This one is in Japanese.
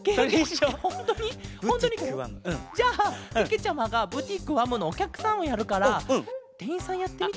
じゃあけけちゃまがブティックわむのおきゃくさんをやるからてんいんさんやってみて。